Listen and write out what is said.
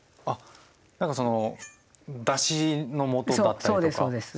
何かそのだしの素だったりとか。